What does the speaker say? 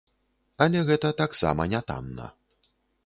Але гэта таксама нятанна.